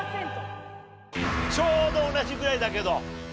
ちょうど同じぐらいだけど。